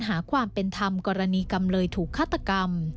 หาความเป็นธรรมกรณีกรรมเลยถูกฆาตกรรม